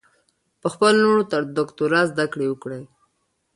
په خپلو لوڼو تر دوکترا ذدکړي وکړئ